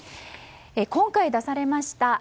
今回出されました